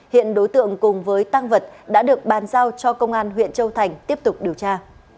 hiện đối tượng cùng với tăng vật đã được bàn giao cho công an huyện châu thành tiếp tục điều tra